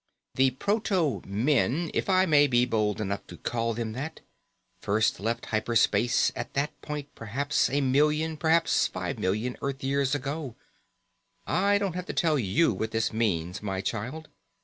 The proto men, if I may be bold enough to call them that, first left hyper space at that point, perhaps a million, perhaps five million, Earth years ago. I don't have to tell you what this means, my child.